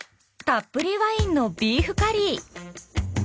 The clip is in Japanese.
たっぷりワインのビーフカリー。